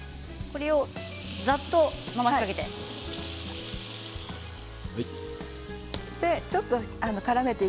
これをざっと回しかけて。